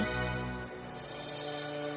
selamat malam sayang